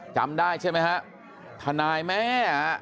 จำได้ใช่ไหมฮะทนายแม่